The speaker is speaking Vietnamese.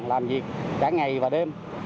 làm việc cả ngày và đêm